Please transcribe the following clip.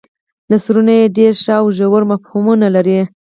نثرونه یې ډېر ښه او ژور مفهومونه لري.